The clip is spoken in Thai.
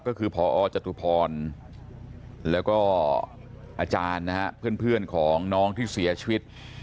ก็คือพอจตุพรแล้วก็อาจารย์นะฮะเพื่อนของน้องที่เสียชีวิต